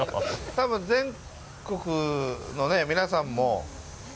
多分全国の皆さんも。